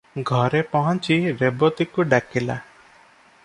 ଘରେ ପହଞ୍ଚି ରେବତୀକୁ ଡାକିଲା ।